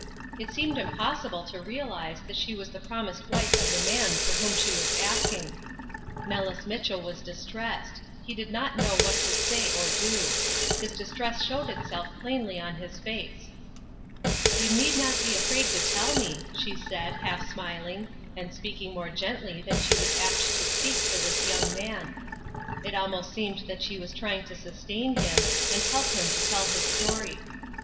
It seemed impossible to realize that she was the promised wife of the man for whom she was asking. Nellis Mitchell was distressed; he did not know what to say or do. His distress showed itself plainly on his face. "You need not be afraid to tell me," she said, half smiling, and speaking more gently than she was apt to speak to this young man. It almost seemed that she was trying to sustain him, and help him to tell his story.